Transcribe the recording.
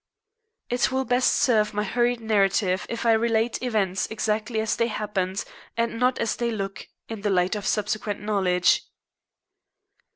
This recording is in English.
It will best serve my hurried narrative if I relate events exactly as they happened, and not as they look in the light of subsequent knowledge.